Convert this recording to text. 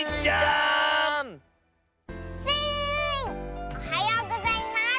おはようございます。